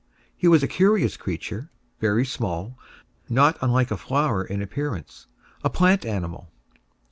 He was a curious creature, very small, not unlike a flower in appearance, a plant animal.